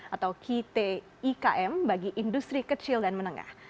atau kikm bagi industri kecil dan menengah